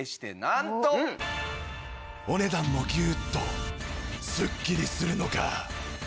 お値段もギューッとすっきりするのか！？